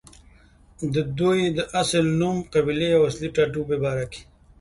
ددوي د اصل نوم، قبيلې او اصلي ټاټوبې باره کښې